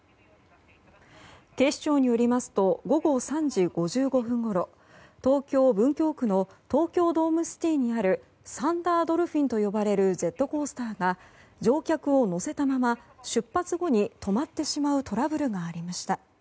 警視庁によりますと午後３時５５分ごろ東京・文京区の東京ドームシティにあるサンダードルフィンと呼ばれるジェットコースターが乗客を乗せたまま出発後に止まってしまうトラブルがありました。